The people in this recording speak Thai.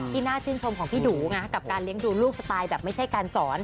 ที่น่าชื่นชมของพี่หนูกับการเลี้ยงดูลูกสไตล์แบบไม่ใช่การสอน